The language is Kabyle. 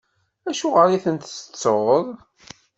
Acuɣeṛ i ten-tettuḍ?